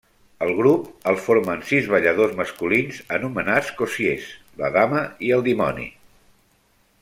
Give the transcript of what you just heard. El grup el formen sis balladors masculins anomenats cossiers, la dama i el dimoni.